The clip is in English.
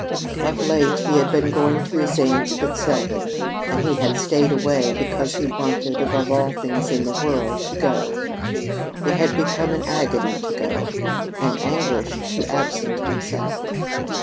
Of late he had been going to his aunt's but seldom, and he had stayed away because he wanted, above all things in the world, to go. It had become an agony to go an anguish to absent himself.